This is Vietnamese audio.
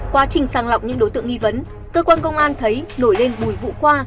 quá trình sàng lọc những đối tượng nghi vấn cơ quan công an thấy nổi lên mùi vụ qua